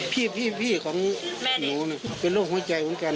พี่ของหนูเป็นโรคหัวใจเหมือนกัน